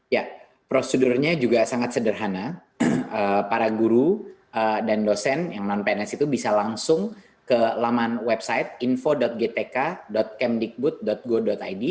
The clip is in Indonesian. ya prosedurnya juga sangat sederhana para guru dan dosen yang non pns itu bisa langsung ke laman website info gtk kemdikbud go id